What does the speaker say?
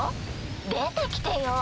出てきてよ。